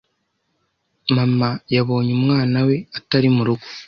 Mama yabonye umwana we atari mu rugo